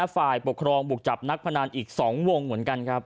ฝ่ายปกครองบุกจับนักพนันอีก๒วงเหมือนกันครับ